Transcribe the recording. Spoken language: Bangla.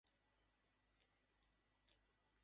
ওহ, তখন আমরা একসাথে বাইকে করে ট্যুরে গিয়েছিলাম।